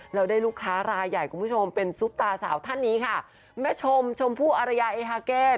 แล้วได้ลูกค้ารายใหญ่คุณผู้ชมเป็นซุปตาสาวท่านนี้ค่ะแม่ชมชมพู่อารยาเอฮาเกต